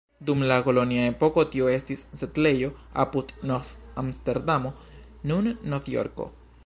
Dum la kolonia epoko tio estis setlejo apud Nov-Amsterdamo, nun Novjorko.